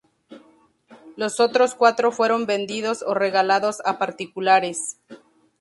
Los otros cuatro fueron vendidos o regalados a particulares.